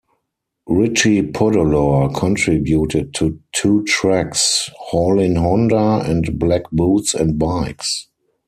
Richie Podolor contributed to two tracks, "Haulin' Honda" and "Black Boots and Bikes.